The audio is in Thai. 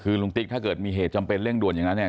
คือลุงติ๊กถ้าเกิดมีเหตุจำเป็นเร่งด่วนอย่างนั้นเนี่ย